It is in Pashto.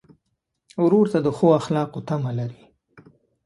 ورور ته د ښو اخلاقو تمه لرې.